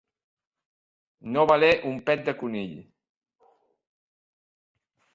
No valer un pet de conill.